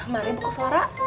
mari buku suara